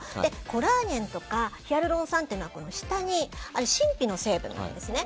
コラーゲンとかヒアルロン酸って下に真皮の成分なんですね。